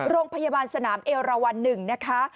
โรงพยาบาลสนามเอราวัน๑นะคะ